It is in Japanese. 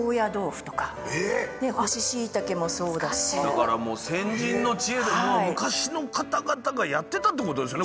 だから先人の知恵で昔の方々がやってたってことですよね